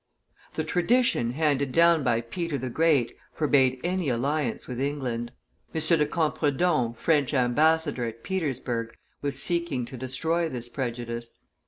The tradition handed down by Peter the Great forbade any alliance with England; M. de Campredon, French ambassador at Petersburg, was seeking to destroy this prejudice.